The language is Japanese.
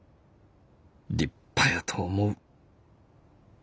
立派やと思う」。